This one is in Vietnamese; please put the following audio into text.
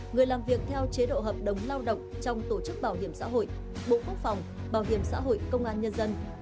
người làm việc theo chế độ hợp đồng lao động trong tổ chức bảo hiểm xã hội bộ quốc phòng bảo hiểm xã hội công an nhân dân